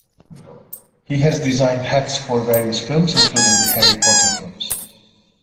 He has designed hats for various films, including the Harry Potter films.